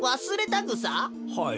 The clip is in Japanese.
はい。